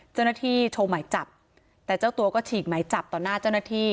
เจ้าหน้าที่โชว์หมายจับแต่เจ้าตัวก็ฉีกหมายจับต่อหน้าเจ้าหน้าที่